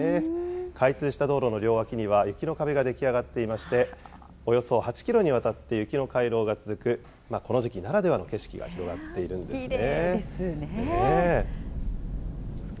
開通した道路の両脇には雪の壁が出来上がっておりまして、およそ８キロにわたって雪の回廊が続く、この時期ならではの景色が広がっきれいですね。